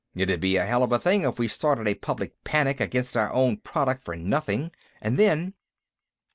It'd be a hell of a thing if we started a public panic against our own product for nothing. And then...."